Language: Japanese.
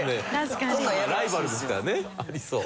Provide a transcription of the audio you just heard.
ライバルですからねありそう。